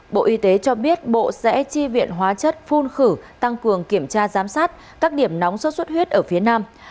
bộ y tế cho biết bộ sẽ chi viện hóa chất phun khử tăng cường kiểm tra giám sát các điểm nóng sốt xuất huyết ở phía nam